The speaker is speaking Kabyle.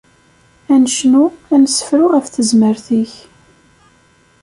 Ad n-necnu, an-nessefru ɣef tezmert-ik.